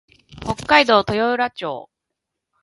北海道豊浦町